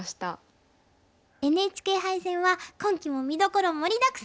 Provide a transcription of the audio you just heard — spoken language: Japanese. ＮＨＫ杯戦は今期も見どころ盛りだくさん！